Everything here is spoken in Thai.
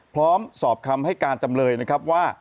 พร้อมสอบคำให้การจำเลยนะครับว่า